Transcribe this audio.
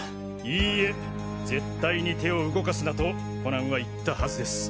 いいえ絶対に手を動かすなとコナンは言ったはずです。